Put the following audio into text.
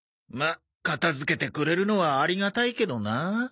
まっ片付けてくれるのはありがたいけどな。